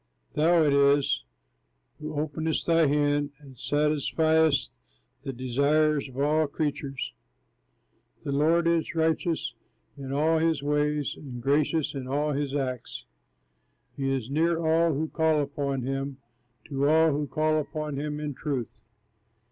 Thou it is who openest thy hand, And satisfiest the desires of all creatures. The Lord is righteous in all his ways, And gracious in all his acts. He is near all who call upon him, To all who call upon him in truth.